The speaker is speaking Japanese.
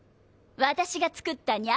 私が作ったにゃ